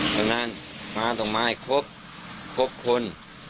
ตรงนั้นมาต้องมาให้ครบครบคน